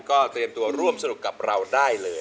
ก็เตรียมตัวร่วมสนุกกับเราได้เลย